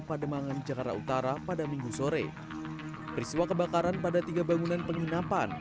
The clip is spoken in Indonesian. pademangan jakarta utara pada minggu sore peristiwa kebakaran pada tiga bangunan penginapan